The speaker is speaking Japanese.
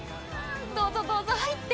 「どうぞどうぞ入って。